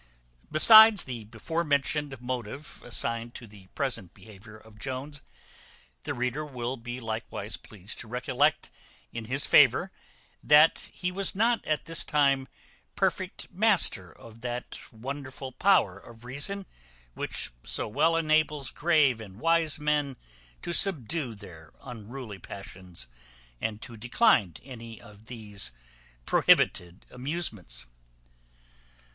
Besides the before mentioned motive assigned to the present behaviour of Jones, the reader will be likewise pleased to recollect in his favour, that he was not at this time perfect master of that wonderful power of reason, which so well enables grave and wise men to subdue their unruly passions, and to decline any of these prohibited amusements.